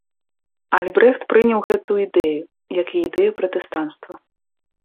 Альбрэхт прыняў гэту ідэю, як і ідэю пратэстанцтва.